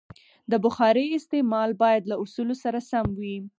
د بخارۍ استعمال باید له اصولو سره سم وي.